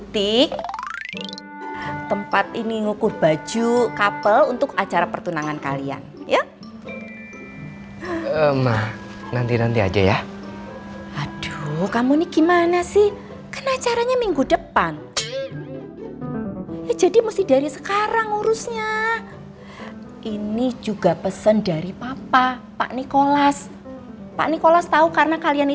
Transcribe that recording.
dan bapak bapak yang bareng dia itu kan